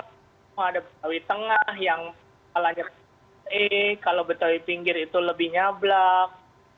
kalau orang bilang betawi tuh ada betawi tengah yang kalanya e kalau betawi pinggir itu lebih nyablak